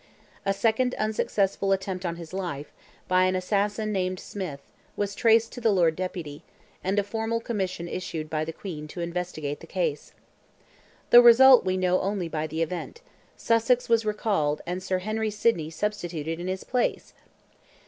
A second unsuccessful attempt on his life, by an assassin named Smith, was traced to the Lord Deputy, and a formal commission issued by the Queen to investigate the case. The result we know only by the event; Sussex was recalled, and Sir Henry Sidney substituted in his place!